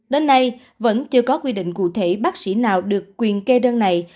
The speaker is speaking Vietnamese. đến nay vẫn chưa có quy định cụ thể bác sĩ nào được quyền kê đơn này